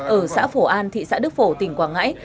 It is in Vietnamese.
ở xã phổ an thị xã đức phổ tỉnh quảng ngãi